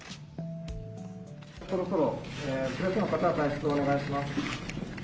そろそろプレスの方は退出をお願いします。